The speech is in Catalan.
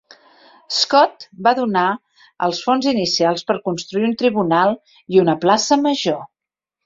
Scott va donar els fons inicials per construir un tribunal i una plaça major.